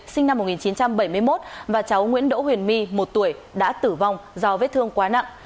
sinh năm một nghìn chín trăm bảy mươi một và cháu nguyễn đỗ huyền my một tuổi đã tử vong do vết thương quá nặng